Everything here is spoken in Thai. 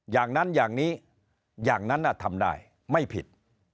อย่างนั้นอย่างนี้อย่างนั้นทำได้ไม่ผิด